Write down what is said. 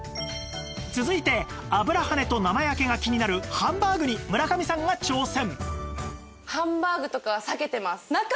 続いて油はねと生焼けが気になるハンバーグに村上さんが挑戦